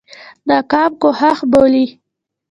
ناکام کوښښ بولي.